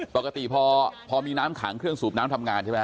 ปกติพอมีน้ำขังเครื่องสูบน้ำทำงานใช่ไหมฮ